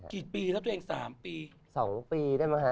กี่ปีแล้วตัวเอง๓ปี๒ปีได้มั้ย